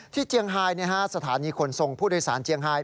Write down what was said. เจียงไฮสถานีขนส่งผู้โดยสารเจียงไฮ